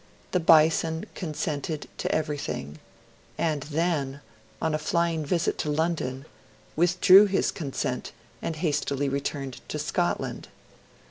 The Bison consented to everything; and then, on a flying visit to London, withdrew his consent and hastily returned to Scotland.